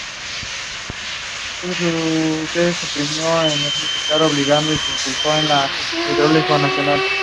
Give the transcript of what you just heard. Está formado por unos treinta o cuarenta grandes empresarios de Barcelona y de Madrid.